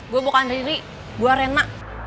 gue bukan riri gue rena